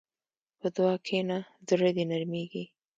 په دعا کښېنه، زړه دې نرمېږي.